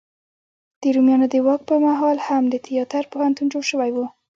د روميانو د واک په مهال هم د تیاتر پوهنتون جوړ شوی و.